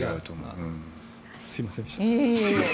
すいませんでした。